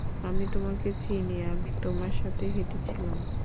আমি তোমাকে চিনি আমি তোমার সাথে হেঁটেছিলাম।